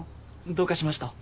どうかしました？